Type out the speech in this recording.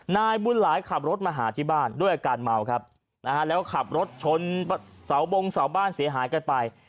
นายบุญหลายขับรถมาหาที่บ้านด้วยอาการเมาครับนะฮะแล้วขับรถชนเสาบงเสาบ้านเสียหายกันไป